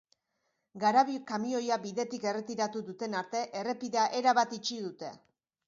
Garabi-kamioia bidetik erretiratu duten arte, errepidea erabat itxi dute.